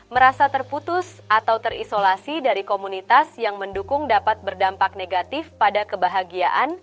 merasa terputus atau terisolasi dari komunitas yang mendukung dapat berdampak negatif pada kebahagiaan